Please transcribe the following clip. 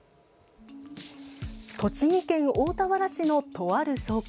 栃木県大田原市の、とある倉庫。